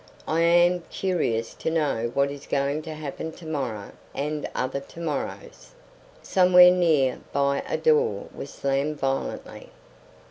"I am curious to know what is going to happen to morrow and other to morrows." Somewhere near by a door was slammed violently.